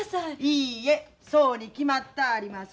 いいえそうに決まったあります。